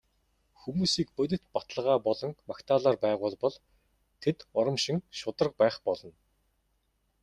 Хүмүүсийг бодит баталгаа болон магтаалаар байгуулбал тэд урамшин шударга байх болно.